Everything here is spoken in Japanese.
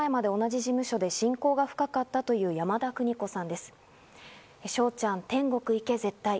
続いて、笑瓶さんと３年前まで同じ事務所で親交が深かったという山田邦子さんです。